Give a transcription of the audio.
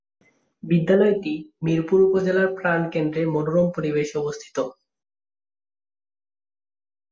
বিদ্যালয়টি মিরপুর উপজেলার প্রান কেন্দ্রে মনোরম পরিবেশে অবস্থিত।